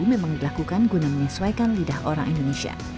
memang dilakukan guna menyesuaikan lidah orang indonesia